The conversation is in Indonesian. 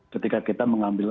ketika kita mengambil